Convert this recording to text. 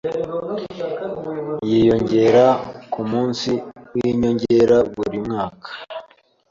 yiyongera kumunsi winyongera buri mwaka